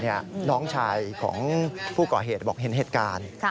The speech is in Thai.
น้องชายของผู้ก่อเหตุบอกเห็นเหตุการณ์